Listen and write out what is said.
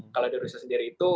kalau di indonesia sendiri itu